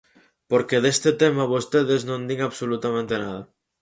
Porque deste tema vostedes non din absolutamente nada.